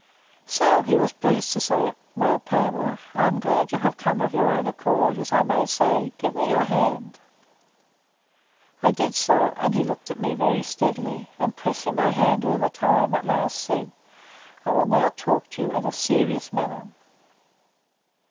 So he was pleased to say, Well, Pamela, I am glad you are come of your own accord, as I may say: give me your hand. I did so; and he looked at me very steadily, and pressing my hand all the time, at last said, I will now talk to you in a serious manner.